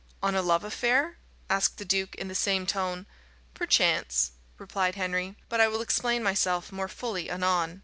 "On a love affair?" asked the duke, in the same tone. "Perchance," replied Henry; "but I will explain myself more fully anon."